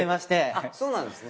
そうなんですね。